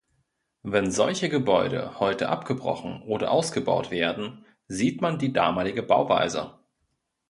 Wenn solche Gebäude heute abgebrochen oder ausgebaut werden, sieht man die damalige Bauweise.